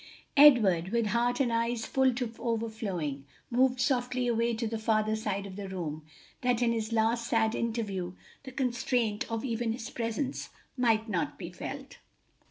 Edward, with heart and eyes full to overflowing, moved softly away to the farther side of the room, that in this last sad interview the constraint of even his presence might not be felt.